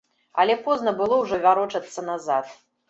Але позна было ўжо варочацца назад.